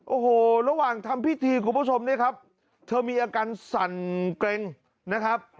โอ้โหระหว่างทำพิธีคุณผู้ชมเนี่ยครับเธอมีอาการสั่นเกร็งนะครับ